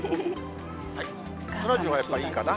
そらジローがやっぱりいいかな。